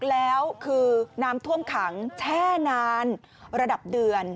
แล้วคือน้ำท่วมขังแช่นานระดับเดือน